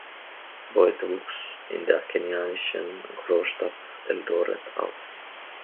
Boit wuchs in der kenianischen Großstadt Eldoret auf.